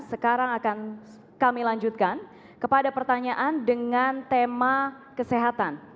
sekarang akan kami lanjutkan kepada pertanyaan dengan tema kesehatan